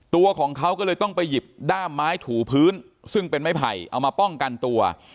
ตัวของเขาก็เลยต้องไปหยิบด้ามไม้ถูพื้นซึ่งเป็นไม้ไผ่เอามาป้องกันตัว